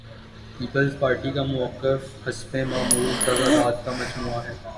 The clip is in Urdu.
پیپلز پارٹی کا موقف حسب معمول تضادات کا مجموعہ ہے۔